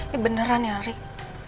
ya beneran ya rick